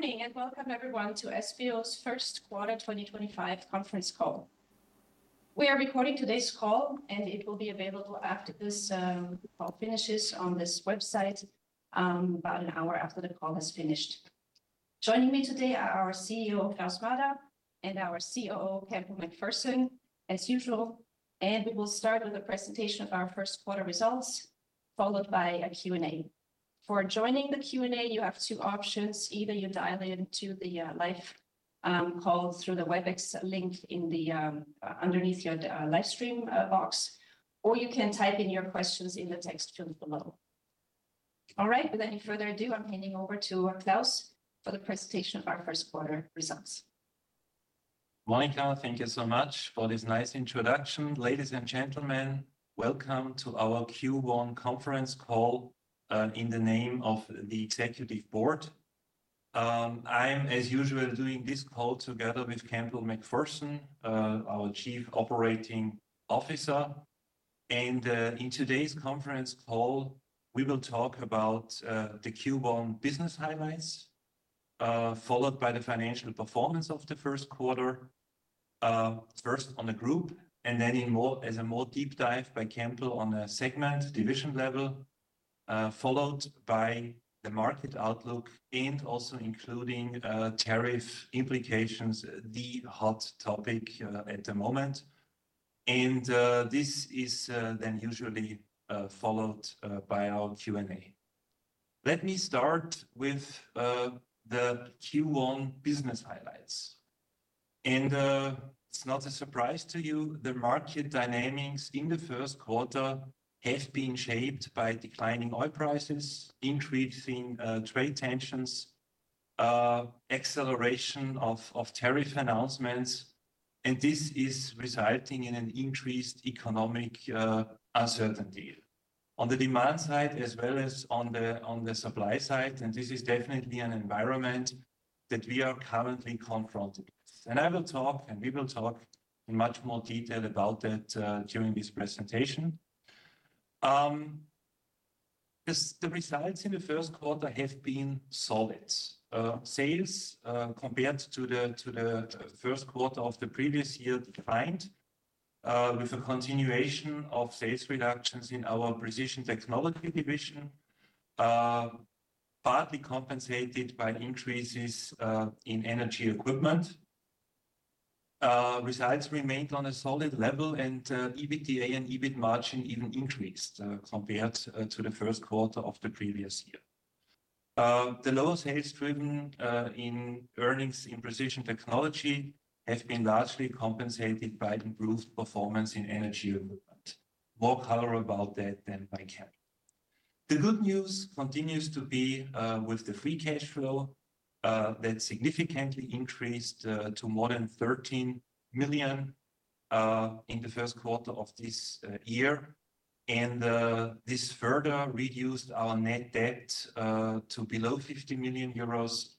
Good morning and welcome everyone to SBO's first quarter 2025 conference call. We are recording today's call, and it will be available after this call finishes on this website, about an hour after the call has finished. Joining me today are our CEO, Klaus Mader, and our COO, Campbell MacPherson, as usual. We will start with a presentation of our first quarter results, followed by a Q&A. For joining the Q&A, you have two options. Either you dial into the live call through the Webex link underneath your live stream box, or you can type in your questions in the text field below. All right, without any further ado, I'm handing over to Klaus for the presentation of our first quarter results. Morning, Klaus. Thank you so much for this nice introduction. Ladies and gentlemen, welcome to our Q1 conference call in the name of the Executive Board. I'm, as usual, doing this call together with Campbell MacPherson, our Chief Operating Officer. In today's conference call, we will talk about the Q1 business highlights, followed by the financial performance of the first quarter, first on the group, and then as a more deep dive by Campbell on a segment division level, followed by the market outlook, also including tariff implications, the hot topic at the moment. This is then usually followed by our Q&A. Let me start with the Q1 business highlights. It is not a surprise to you, the market dynamics in the first quarter have been shaped by declining oil prices, increasing trade tensions, acceleration of tariff announcements, and this is resulting in an increased economic uncertainty on the demand side as well as on the supply side. This is definitely an environment that we are currently confronted with. I will talk, and we will talk in much more detail about that during this presentation. The results in the first quarter have been solid. Sales compared to the first quarter of the previous year declined, with a continuation of sales reductions in our precision technology division, partly compensated by increases in energy equipment. Results remained on a solid level, and EBITDA and EBIT margin even increased compared to the first quarter of the previous year. The low sales driven in earnings in precision technology have been largely compensated by improved performance in energy equipment. More color about that than by Cam. The good news continues to be with the free cash flow that significantly increased to more than 13 million in the first quarter of this year. This further reduced our net debt to below 50 million euros,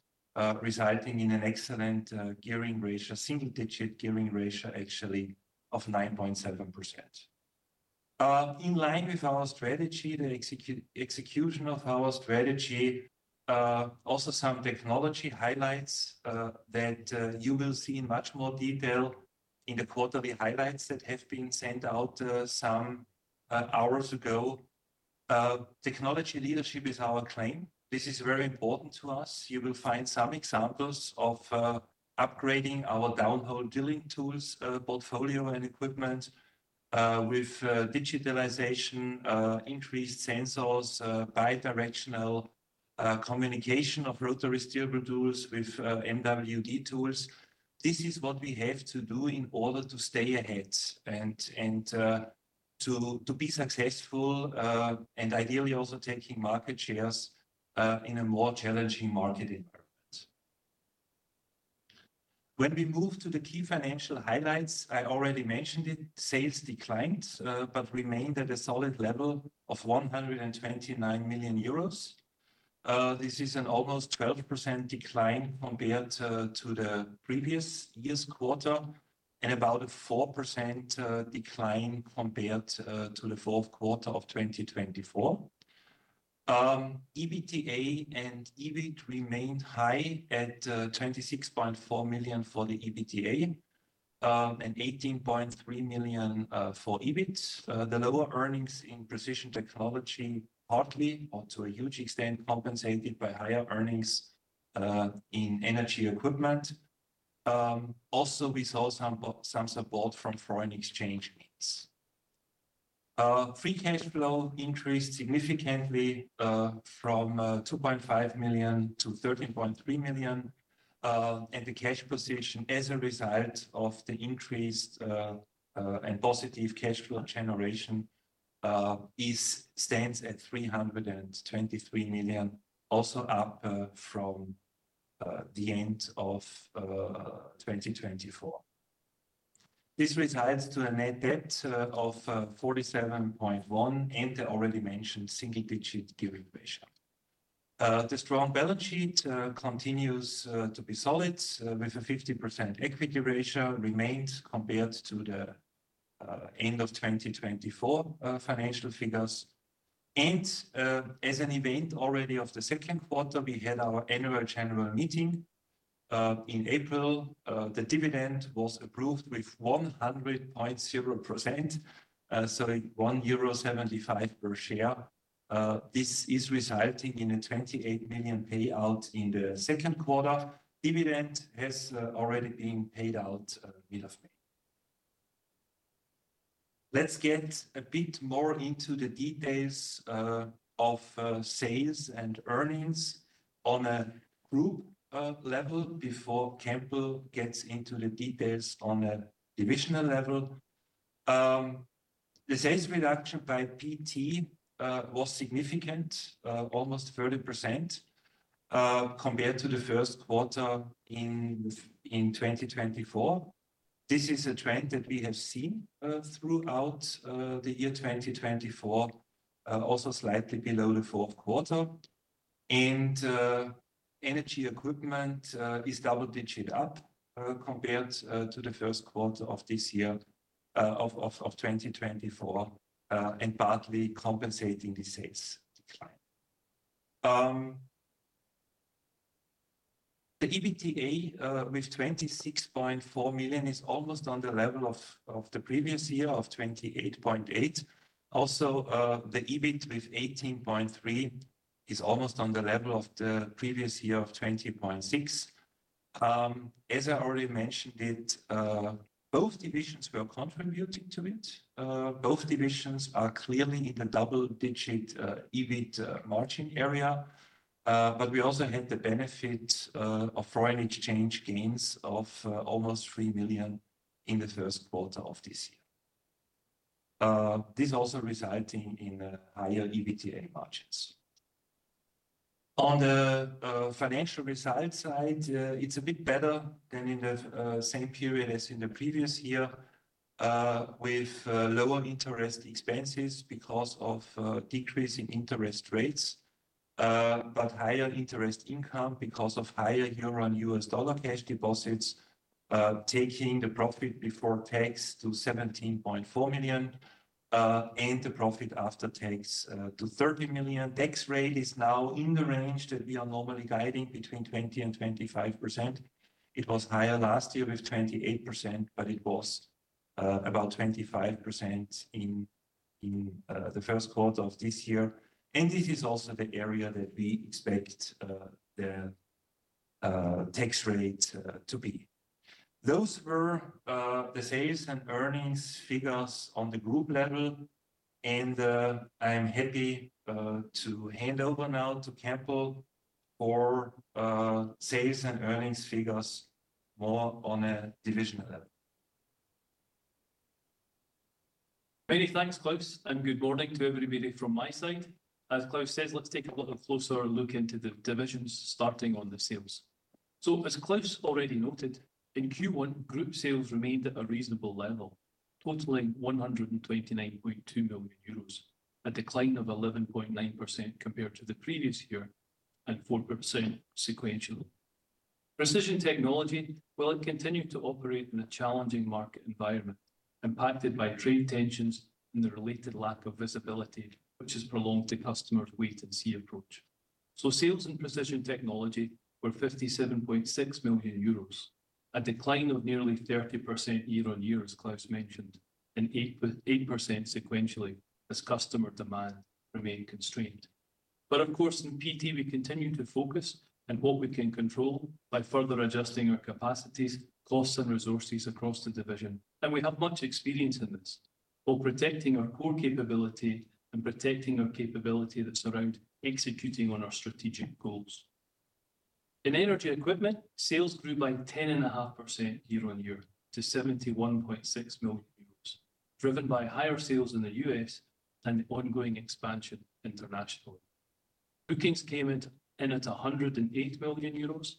resulting in an excellent gearing ratio, single digit gearing ratio actually of 9.7%. In line with our strategy, the execution of our strategy, also some technology highlights that you will see in much more detail in the quarterly highlights that have been sent out some hours ago. Technology leadership is our claim. This is very important to us. You will find some examples of upgrading our down-hole drilling tools portfolio and equipment with digitalization, increased sensors, bidirectional communication of rotary steerable modules with MWD tools. This is what we have to do in order to stay ahead and to be successful and ideally also taking market shares in a more challenging market environment. When we move to the key financial highlights, I already mentioned it, sales declined, but remained at a solid level of 129 million euros. This is an almost 12% decline compared to the previous year's quarter and about a 4% decline compared to the fourth quarter of 2024. EBITDA and EBIT remained high at 26.4 million for the EBITDA and 18.3 million for EBIT. The lower earnings in precision technology partly or to a huge extent compensated by higher earnings in energy equipment. Also, we saw some support from foreign exchange needs. Free cash flow increased significantly from 2.5 million to 13.3 million. The cash position as a result of the increased and positive cash flow generation stands at 323 million, also up from the end of 2024. This results in a net debt of 47.1 million and the already mentioned single-digit gearing ratio. The strong balance sheet continues to be solid with a 50% equity ratio remained compared to the end of 2024 financial figures. As an event already of the second quarter, we had our annual general meeting in April. The dividend was approved with 100%, so 1.75 euro per share. This is resulting in a 28 million payout in the second quarter. Dividend has already been paid out mid of May. Let's get a bit more into the details of sales and earnings on a group level before Campbell gets into the details on a divisional level. The sales reduction by PT was significant, almost 30% compared to the first quarter in 2024. This is a trend that we have seen throughout the year 2024, also slightly below the fourth quarter. Energy equipment is double-digit up compared to the first quarter of this year of 2024 and partly compensating the sales. The EBITDA with 26.4 million is almost on the level of the previous year of 28.8 million. Also, the EBIT with 18.3 million is almost on the level of the previous year of 20.6 million. As I already mentioned, both divisions were contributing to it. Both divisions are clearly in the double-digit EBIT margin area. We also had the benefit of foreign exchange gains of almost 3 million in the first quarter of this year. This also resulted in higher EBITDA margins. On the financial results side, it's a bit better than in the same period as in the previous year with lower interest expenses because of decrease in interest rates, but higher interest income because of higher euro and U.S. dollar cash deposits taking the profit before tax to 17.4 million and the profit after tax to 30 million. Tax rate is now in the range that we are normally guiding between 20% and 25%. It was higher last year with 28%, but it was about 25% in the first quarter of this year. This is also the area that we expect the tax rate to be. Those were the sales and earnings figures on the group level. I'm happy to hand over now to Campbell for sales and earnings figures more on a divisional level. Many thanks, Klaus, and good morning to everybody from my side. As Klaus says, let's take a little closer look into the divisions starting on the sales. As Klaus already noted, in Q1, group sales remained at a reasonable level, totaling 129.2 million euros, a decline of 11.9% compared to the previous year and 4% sequentially. Precision technology will continue to operate in a challenging market environment impacted by trade tensions and the related lack of visibility, which has prolonged the customer's wait-and-see approach. Sales in precision technology were 57.6 million euros, a decline of nearly 30% year on year, as Klaus mentioned, and 8% sequentially as customer demand remained constrained. In PT, we continue to focus on what we can control by further adjusting our capacities, costs, and resources across the division. We have much experience in this, while protecting our core capability and protecting our capability that surrounds executing on our strategic goals. In energy equipment, sales grew by 10.5% year on year to 71.6 million euros, driven by higher sales in the U.S. and ongoing expansion internationally. Bookings came in at 108 million euros,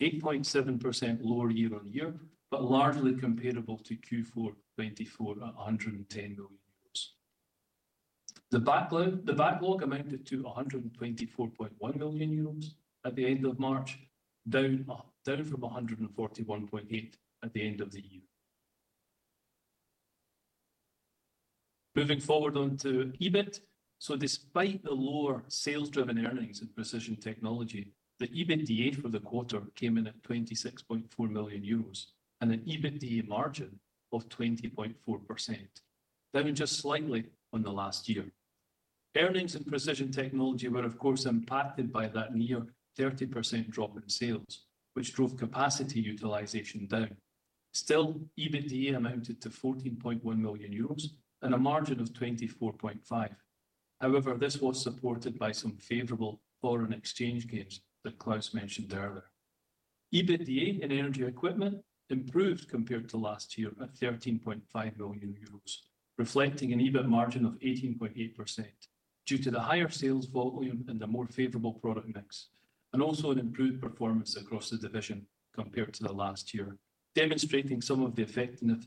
8.7% lower year on year, but largely comparable to Q4 2024 at 110 million. The backlog amounted to 124.1 million euros at the end of March, down from 141.8 million at the end of the year. Moving forward on to EBIT. Despite the lower sales-driven earnings in precision technology, the EBITDA for the quarter came in at 26.4 million euros and an EBITDA margin of 20.4%, down just slightly on the last year. Earnings in precision technology were, of course, impacted by that near 30% drop in sales, which drove capacity utilization down. Still, EBITDA amounted to 14.1 million euros and a margin of 24.5%. However, this was supported by some favorable foreign exchange gains that Klaus mentioned earlier. EBITDA in energy equipment improved compared to last year at 13.5 million euros, reflecting an EBIT margin of 18.8% due to the higher sales volume and the more favorable product mix, and also an improved performance across the division compared to last year, demonstrating some of the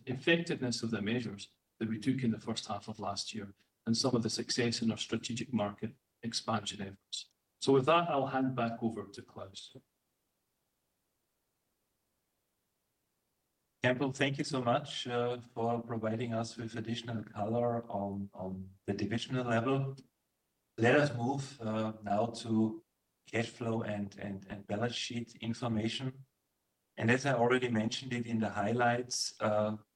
effectiveness of the measures that we took in the first half of last year and some of the success in our strategic market expansion efforts. With that, I'll hand back over to Klaus. Campbell, thank you so much for providing us with additional color on the divisional level. Let us move now to cash flow and balance sheet information. As I already mentioned it in the highlights,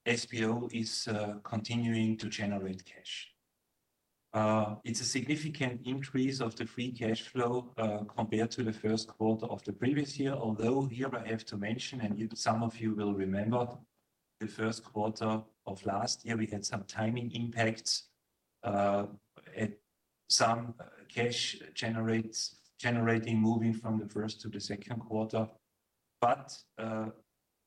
SBO is continuing to generate cash. It is a significant increase of the free cash flow compared to the first quarter of the previous year. Although here I have to mention, and some of you will remember the first quarter of last year, we had some timing impacts at some cash generating moving from the first to the second quarter.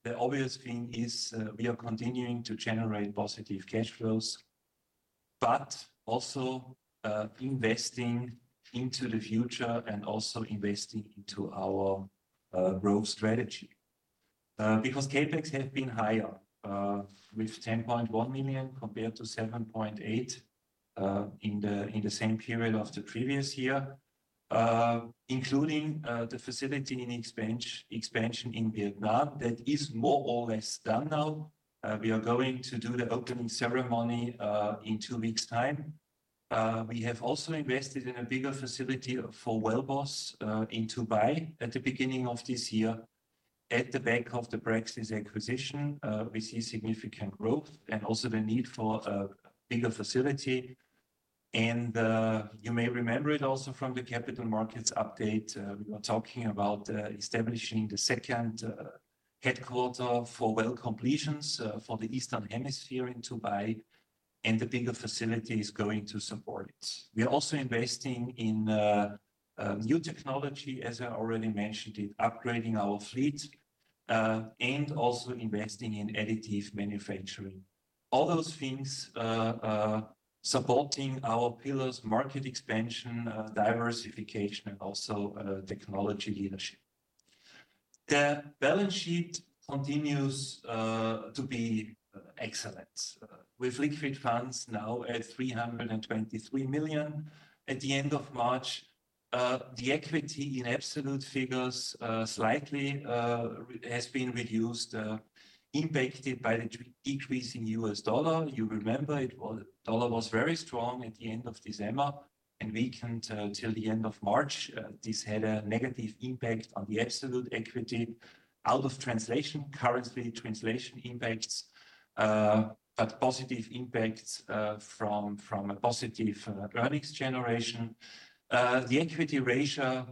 The obvious thing is we are continuing to generate positive cash flows, but also investing into the future and also investing into our growth strategy. Because CapEx have been higher with 10.1 million compared to 7.8 million in the same period of the previous year, including the facility in expansion in Vietnam that is more or less done now. We are going to do the opening ceremony in two weeks' time. We have also invested in a bigger facility for WellBoss in Dubai at the beginning of this year. At the back of the Praxi's acquisition, we see significant growth and also the need for a bigger facility. You may remember it also from the capital markets update. We were talking about establishing the second headquarter for well completions for the Eastern Hemisphere in Dubai, and the bigger facility is going to support it. We are also investing in new technology, as I already mentioned, upgrading our fleet and also investing in additive manufacturing. All those things supporting our pillars, market expansion, diversification, and also technology leadership. The balance sheet continues to be excellent with liquid funds now at 323 million at the end of March. The equity in absolute figures slightly has been reduced, impacted by the decrease in U.S. dollar. You remember U.S. dollar was very strong at the end of December and weakened till the end of March. This had a negative impact on the absolute equity out of translation, currently translation impacts, but positive impacts from a positive earnings generation. The equity ratio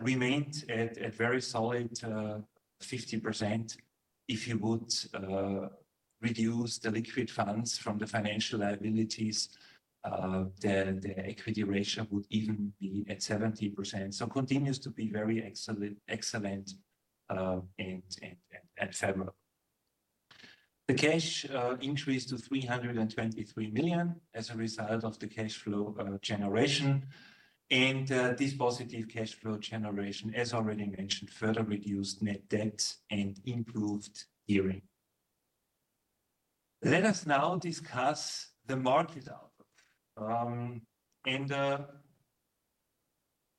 remained at very solid 50%. If you would reduce the liquid funds from the financial liabilities, the equity ratio would even be at 70%. Continues to be very excellent and favorable. The cash increased to 323 million as a result of the cash flow generation. This positive cash flow generation, as already mentioned, further reduced net debt and improved gearing. Let us now discuss the market outlook. The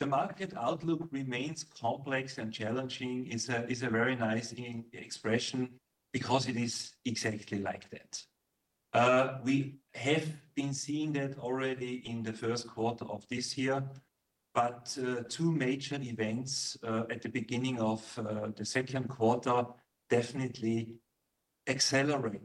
market outlook remains complex and challenging is a very nice expression because it is exactly like that. We have been seeing that already in the first quarter of this year, but two major events at the beginning of the second quarter definitely accelerated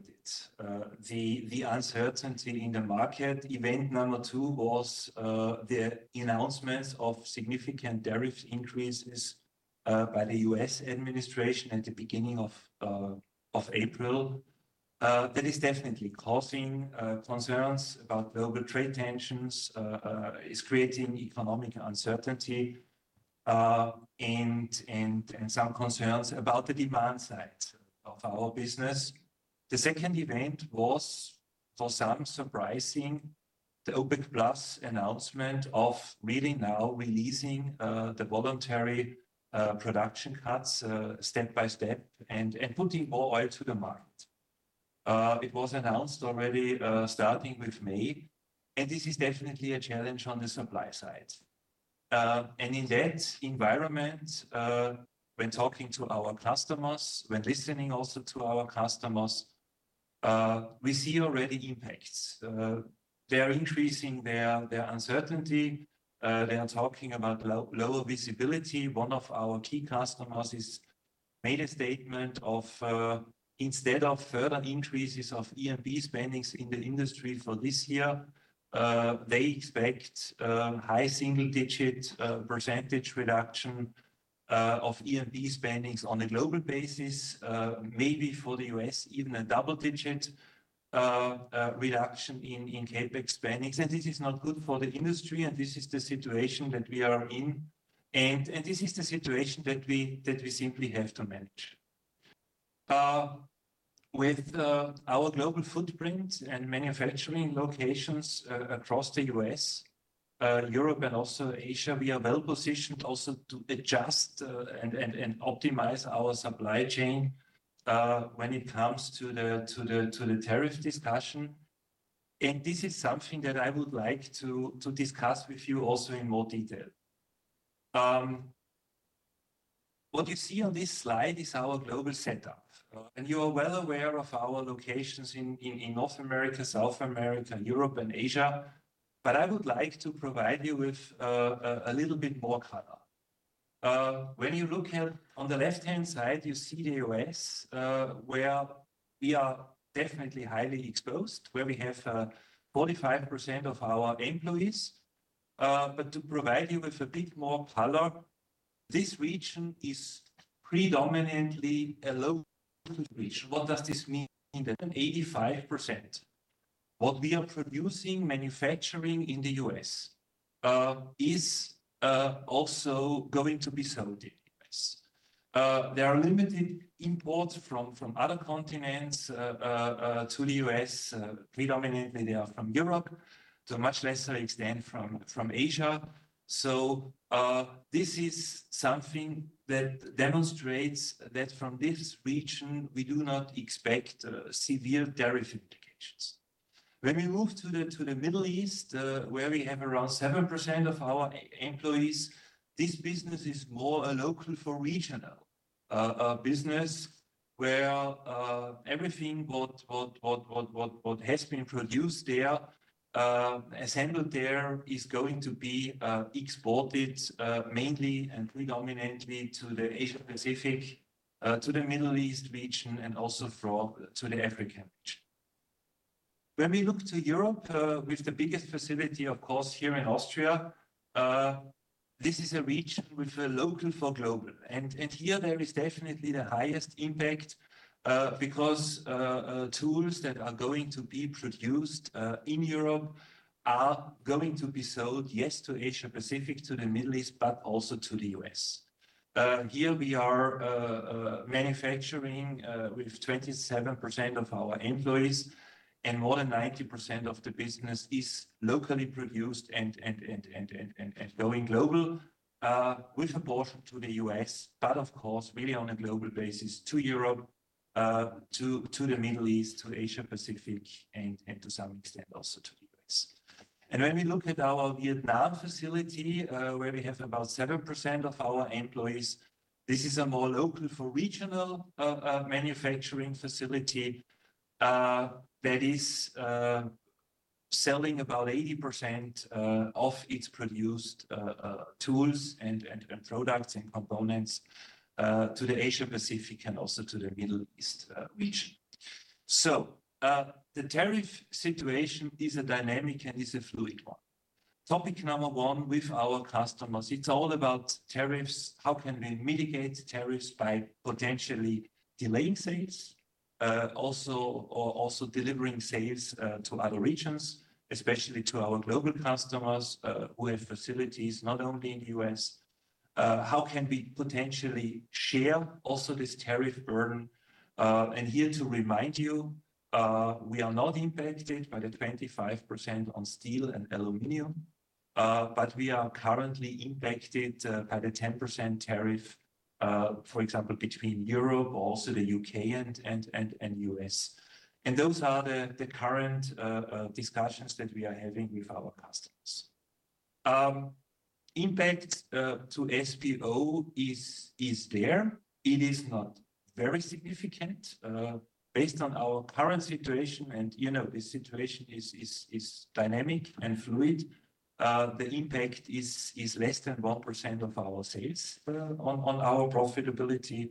the uncertainty in the market. Event number two was the announcements of significant tariff increases by the U.S. administration at the beginning of April. That is definitely causing concerns about global trade tensions, is creating economic uncertainty and some concerns about the demand side of our business. The second event was, for some surprising, the OPEC+ announcement of really now releasing the voluntary production cuts step by step and putting more oil to the market. It was announced already starting with May, and this is definitely a challenge on the supply side. In that environment, when talking to our customers, when listening also to our customers, we see already impacts. They are increasing their uncertainty. They are talking about lower visibility. One of our key customers has made a statement of, instead of further increases of E&P spendings in the industry for this year, they expect high single-digit percentage reduction of E&P spendings on a global basis, maybe for the U.S., even a double-digit reduction in CapEx spendings. This is not good for the industry, and this is the situation that we are in. This is the situation that we simply have to manage. With our global footprint and manufacturing locations across the U.S., Europe, and also Asia, we are well positioned also to adjust and optimize our supply chain when it comes to the tariff discussion. This is something that I would like to discuss with you also in more detail. What you see on this slide is our global setup. You are well aware of our locations in North America, South America, Europe, and Asia. I would like to provide you with a little bit more color. When you look on the left-hand side, you see the U.S., where we are definitely highly exposed, where we have 45% of our employees. To provide you with a bit more color, this region is predominantly a low region. What does this mean? That 85% of what we are producing, manufacturing in the U.S., is also going to be sold in the U.S.. There are limited imports from other continents to the U.S. Predominantly, they are from Europe, to a much lesser extent from Asia. This is something that demonstrates that from this region, we do not expect severe tariff implications. When we move to the Middle East, where we have around 7% of our employees, this business is more a local for regional business, where everything that has been produced there, assembled there, is going to be exported mainly and predominantly to the Asia-Pacific, to the Middle East region, and also to the African region. When we look to Europe with the biggest facility, of course, here in Austria, this is a region with a local for global. There is definitely the highest impact here because tools that are going to be produced in Europe are going to be sold, yes, to Asia-Pacific, to the Middle East, but also to the U.S. Here, we are manufacturing with 27% of our employees, and more than 90% of the business is locally produced and going global with a portion to the U.S., but of course, really on a global basis to Europe, to the Middle East, to Asia-Pacific, and to some extent also to the U.S. When we look at our Vietnam facility, where we have about 7% of our employees, this is a more local for regional manufacturing facility that is selling about 80% of its produced tools and products and components to the Asia-Pacific and also to the Middle East region. The tariff situation is a dynamic and is a fluid one. Topic number one with our customers, it's all about tariffs. How can we mitigate tariffs by potentially delaying sales, also delivering sales to other regions, especially to our global customers who have facilities not only in the U.S.? How can we potentially share also this tariff burden? Here to remind you, we are not impacted by the 25% on steel and aluminum, but we are currently impacted by the 10% tariff, for example, between Europe, also the U.K. and U.S. Those are the current discussions that we are having with our customers. Impact to SBO is there. It is not very significant. Based on our current situation, and you know this situation is dynamic and fluid, the impact is less than 1% of our sales on our profitability.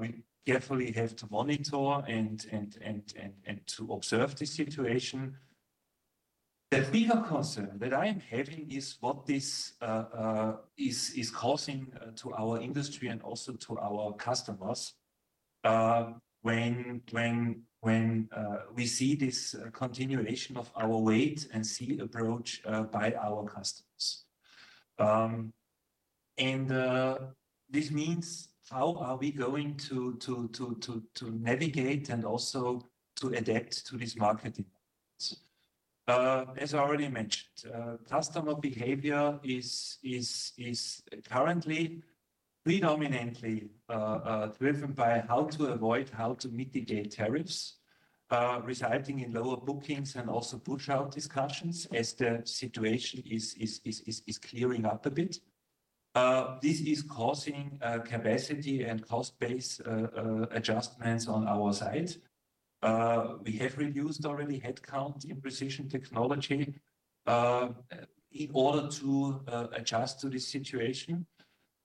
We carefully have to monitor and to observe this situation. The bigger concern that I am having is what this is causing to our industry and also to our customers when we see this continuation of our wait and see approach by our customers. This means how are we going to navigate and also to adapt to this market? As I already mentioned, customer behavior is currently predominantly driven by how to avoid, how to mitigate tariffs resulting in lower bookings and also push-out discussions as the situation is clearing up a bit. This is causing capacity and cost-based adjustments on our side. We have reduced already headcount in precision technology in order to adjust to this situation.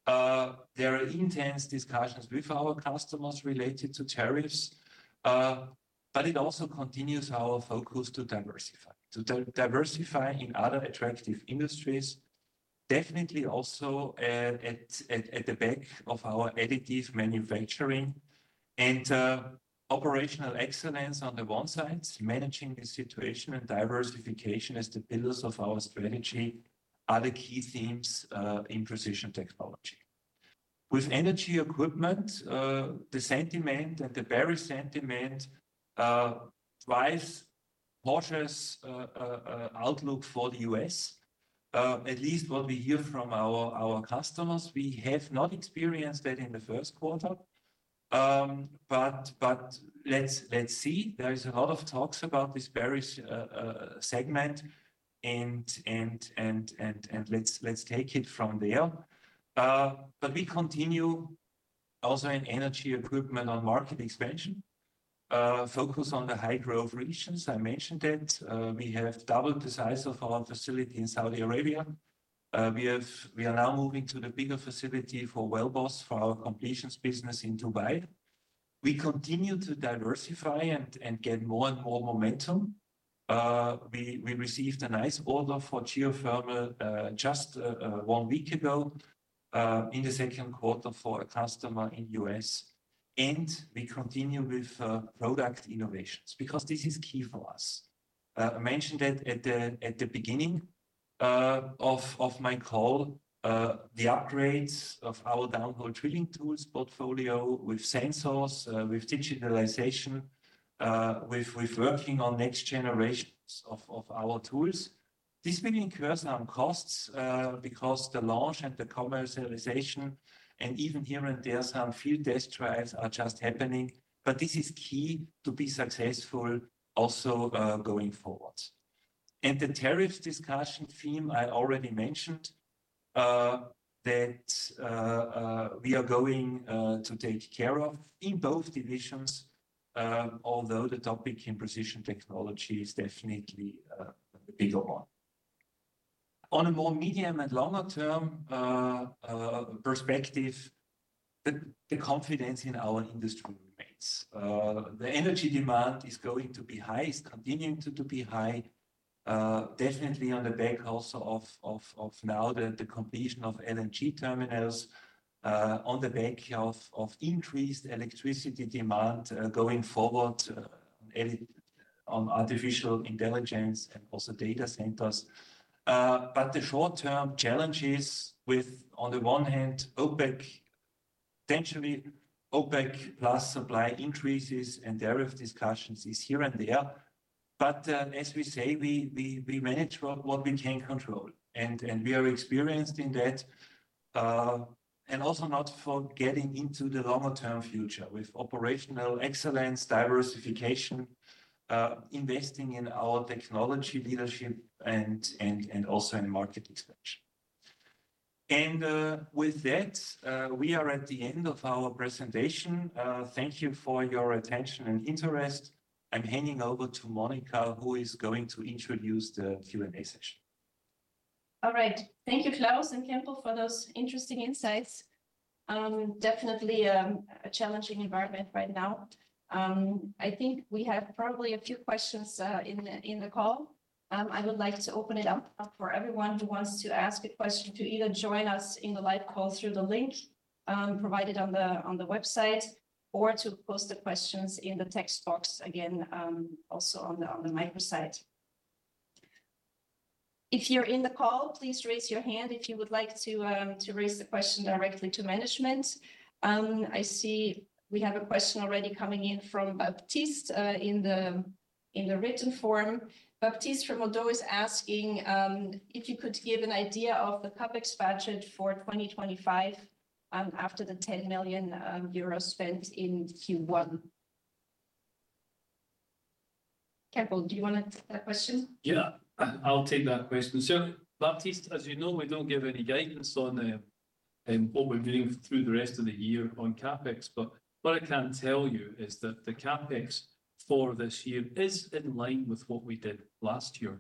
There are intense discussions with our customers related to tariffs, but it also continues our focus to diversify in other attractive industries, definitely also at the back of our additive manufacturing. Operational excellence on the one side, managing this situation and diversification as the pillars of our strategy are the key themes in precision technology. With energy equipment, the sentiment and the bearish sentiment drives purchase outlook for the U.S., at least what we hear from our customers. We have not experienced that in the first quarter, but let's see. There is a lot of talks about this bearish segment, and let's take it from there. We continue also in energy equipment on market expansion, focus on the high-growth regions. I mentioned that we have doubled the size of our facility in Saudi Arabia. We are now moving to the bigger facility for WellBoss for our completions business in Dubai. We continue to diversify and get more and more momentum. We received a nice order for geothermal just one week ago in the second quarter for a customer in the U.S. We continue with product innovations because this is key for us. I mentioned that at the beginning of my call, the upgrades of our downhole drilling tools portfolio with sensors, with digitalization, with working on next generations of our tools. This will incur some costs because the launch and the commercialization, and even here and there, some field test drives are just happening. This is key to be successful also going forward. The tariff discussion theme I already mentioned that we are going to take care of in both divisions, although the topic in precision technology is definitely the bigger one. On a more medium and longer-term perspective, the confidence in our industry remains. The energy demand is going to be high, is continuing to be high, definitely on the back also of now the completion of LNG terminals, on the back of increased electricity demand going forward on artificial intelligence and also data centers. The short-term challenges with, on the one hand, OPEC, potentially OPEC+ supply increases and tariff discussions is here and there. As we say, we manage what we can control. We are experienced in that. Also not forgetting into the longer-term future with operational excellence, diversification, investing in our technology leadership, and also in market expansion. With that, we are at the end of our presentation. Thank you for your attention and interest. I'm handing over to Monika, who is going to introduce the Q&A session. All right. Thank you, Klaus and Campbell, for those interesting insights. Definitely a challenging environment right now. I think we have probably a few questions in the call. I would like to open it up for everyone who wants to ask a question to either join us in the live call through the link provided on the website or to post the questions in the text box again, also on the micro side. If you're in the call, please raise your hand if you would like to raise the question directly to management. I see we have a question already coming in from Baptiste in the written form. Baptiste from Oddo is asking if you could give an idea of the CapEx budget for 2025 after the 10 million euros spent in Q1. Campbell, do you want to take that question? Yeah, I'll take that question. So, Baptiste, as you know, we don't give any guidance on what we're doing through the rest of the year on CapEx. What I can tell you is that the CapEx for this year is in line with what we did last year.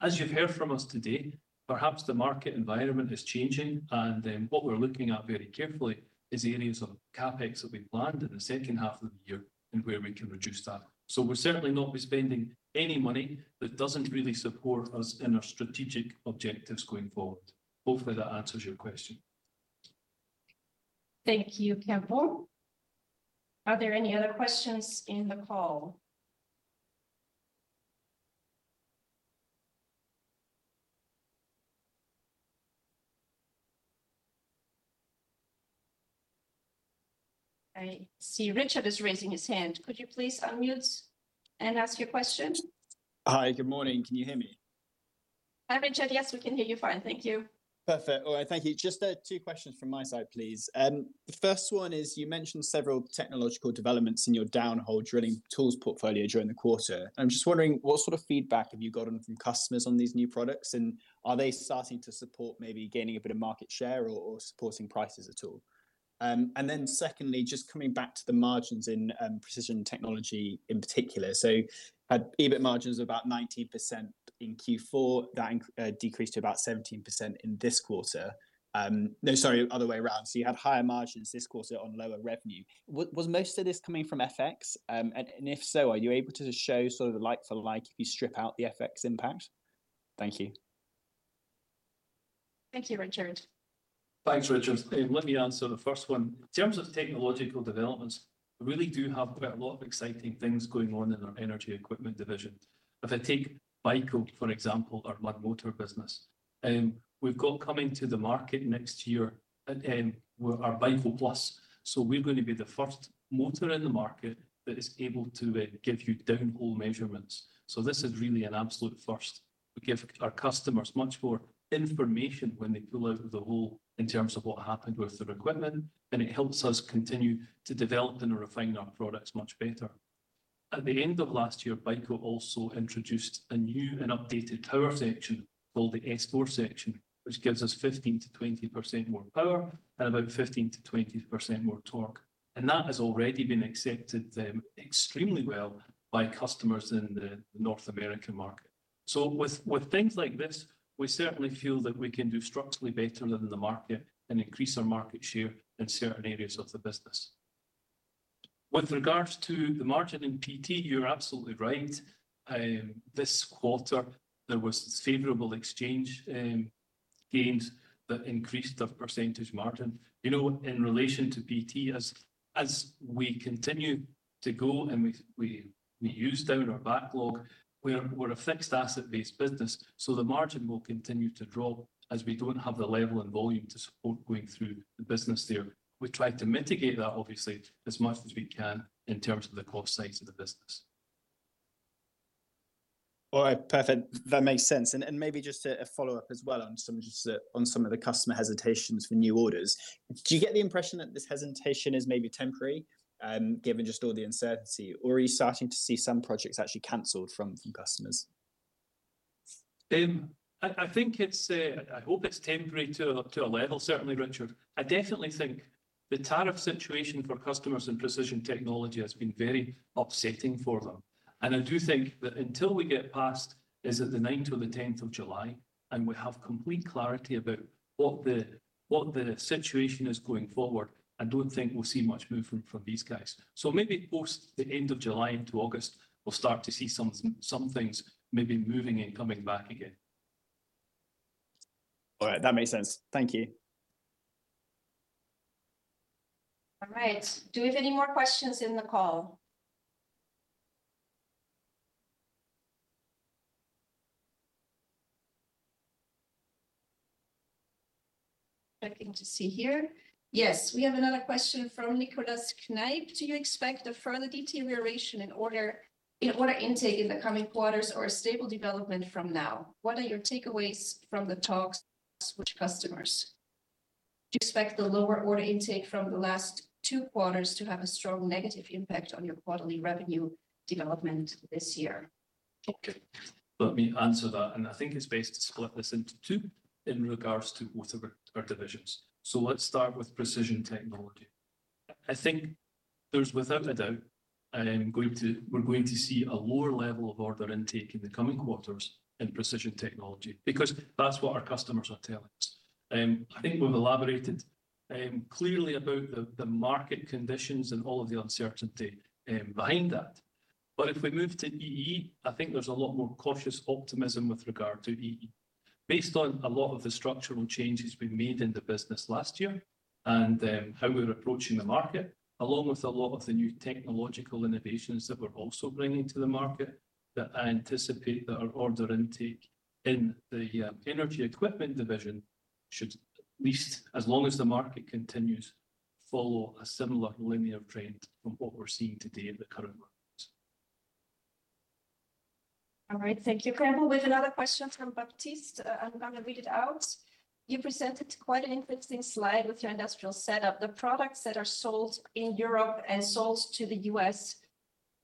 As you have heard from us today, perhaps the market environment is changing. What we are looking at very carefully is areas of CapEx that we planned in the second half of the year and where we can reduce that. We are certainly not spending any money that does not really support us in our strategic objectives going forward. Hopefully, that answers your question. Thank you, Campbell. Are there any other questions in the call? I see Richard is raising his hand. Could you please unmute and ask your question? Hi, good morning. Can you hear me? Hi, Richard. Yes, we can hear you fine. Thank you. Perfect. All right, thank you. Just two questions from my side, please. The first one is you mentioned several technological developments in your downhole drilling tools portfolio during the quarter. I'm just wondering what sort of feedback have you gotten from customers on these new products? Are they starting to support maybe gaining a bit of market share or supporting prices at all? Secondly, just coming back to the margins in precision technology in particular. You had EBIT margins of about 19% in Q4, that decreased to about 17% in this quarter. No, sorry, other way around. You had higher margins this quarter on lower revenue. Was most of this coming from FX? If so, are you able to show sort of the like for like if you strip out the FX impact? Thank you. Thank you, Richard. Thanks, Richard. Let me answer the first one. In terms of technological developments, we really do have quite a lot of exciting things going on in our energy equipment division. If I take Vico, for example, our mud motor business, we've got coming to the market next year our Vico Plus. We are going to be the first motor in the market that is able to give you downhole measurements. This is really an absolute first. We give our customers much more information when they pull out the hole in terms of what happened with their equipment. It helps us continue to develop and refine our products much better. At the end of last year, Vico also introduced a new and updated power section called the S4 section, which gives us 15%-20% more power and about 15%-20% more torque. That has already been accepted extremely well by customers in the North American market. With things like this, we certainly feel that we can do structurally better than the market and increase our market share in certain areas of the business. With regards to the margin in PT, you're absolutely right. This quarter, there were favorable exchange gains that increased the percentage margin. You know, in relation to PT, as we continue to go and we use down our backlog, we're a fixed asset-based business. The margin will continue to drop as we do not have the level and volume to support going through the business there. We try to mitigate that, obviously, as much as we can in terms of the cost size of the business. All right, perfect. That makes sense. Maybe just a follow-up as well on some of the customer hesitations for new orders. Do you get the impression that this hesitation is maybe temporary given just all the uncertainty? Or are you starting to see some projects actually canceled from customers? I think it's a, I hope it's temporary to a level, certainly, Richard. I definitely think the tariff situation for customers in precision technology has been very upsetting for them. I do think that until we get past, is it the 9th or the 10th of July, and we have complete clarity about what the situation is going forward, I don't think we'll see much movement from these guys. Maybe post the end of July into August, we'll start to see some things maybe moving and coming back again. All right, that makes sense. Thank you. All right. Do we have any more questions in the call? Looking to see here. Yes, we have another question from Nicholas Knipe. Do you expect a further deterioration in order intake in the coming quarters or a stable development from now? What are your takeaways from the talks with customers? Do you expect the lower order intake from the last two quarters to have a strong negative impact on your quarterly revenue development this year? Okay, let me answer that. I think it's best to split this into two in regards to both of our divisions. Let's start with precision technology. I think there's, without a doubt, we're going to see a lower level of order intake in the coming quarters in precision technology because that's what our customers are telling us. I think we've elaborated clearly about the market conditions and all of the uncertainty behind that. If we move to EE, I think there's a lot more cautious optimism with regard to EE, based on a lot of the structural changes we made in the business last year and how we're approaching the market, along with a lot of the new technological innovations that we're also bringing to the market. I anticipate that our order intake in the energy equipment division should, at least as long as the market continues, follow a similar linear trend from what we're seeing today in the current markets. All right, thank you, Campbell. We have another question from Baptiste. I'm going to read it out. You presented quite an interesting slide with your industrial setup. The products that are sold in Europe and sold to the U.S.,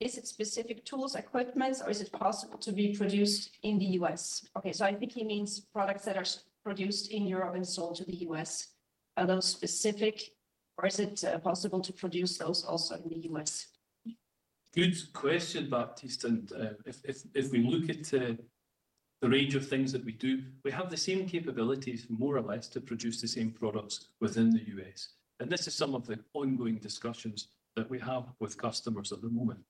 is it specific tools, equipment, or is it possible to be produced in the U.S.? Okay, I think he means products that are produced in Europe and sold to the U.S. Are those specific, or is it possible to produce those also in the U.S.? Good question, Baptiste. If we look at the range of things that we do, we have the same capabilities, more or less, to produce the same products within the U.S. This is some of the ongoing discussions that we have with customers at the moment.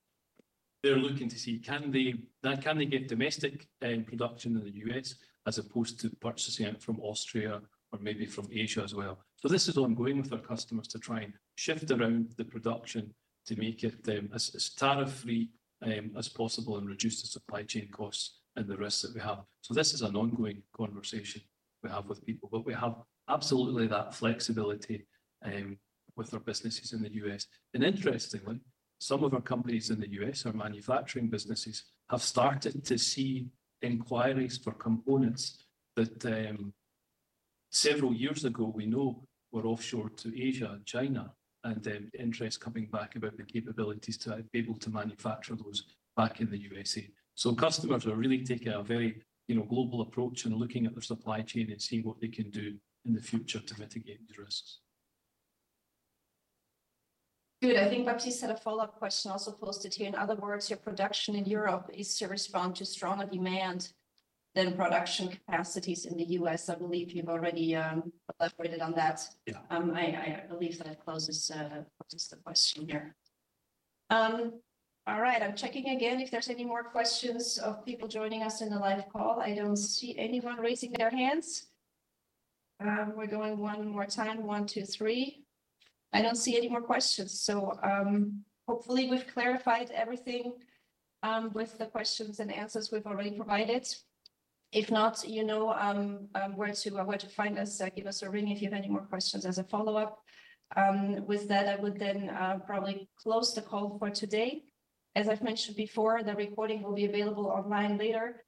They're looking to see, can they get domestic production in the U.S. as opposed to purchasing it from Austria or maybe from Asia as well? This is ongoing with our customers to try and shift around the production to make it as tariff-free as possible and reduce the supply chain costs and the risks that we have. This is an ongoing conversation we have with people. We have absolutely that flexibility with our businesses in the U.S. Interestingly, some of our companies in the U.S, our manufacturing businesses, have started to see inquiries for components that several years ago, we know, were offshore to Asia and China, and interest coming back about the capabilities to be able to manufacture those back in the U.S. Customers are really taking a very global approach and looking at their supply chain and seeing what they can do in the future to mitigate the risks. Good. I think Baptiste had a follow-up question also posted here. In other words, your production in Europe is to respond to stronger demand than production capacities in the U.S. I believe you have already elaborated on that. Yeah, I believe that closes the question here. All right, I'm checking again if there's any more questions of people joining us in the live call. I don't see anyone raising their hands. We're going one more time, one, two, three. I don't see any more questions. Hopefully we've clarified everything with the questions and answers we've already provided. If not, you know where to find us. Give us a ring if you have any more questions as a follow-up. With that, I would then probably close the call for today. As I've mentioned before, the recording will be available online later.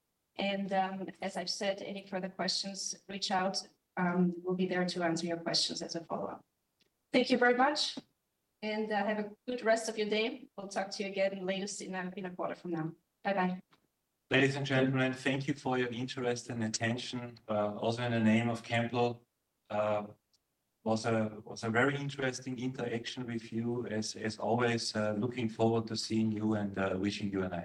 As I've said, any further questions, reach out. We'll be there to answer your questions as a follow-up. Thank you very much. Have a good rest of your day. We'll talk to you again latest in a quarter from now. Bye-bye. Ladies and gentlemen, thank you for your interest and attention. Also, in the name of Campbell, it was a very interesting interaction with you, as always. Looking forward to seeing you and wishing you an.